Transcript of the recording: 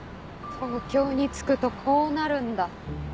東京に着くとこうなるんだ。